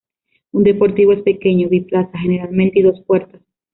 Un deportivo es pequeño, biplaza generalmente y dos puertas.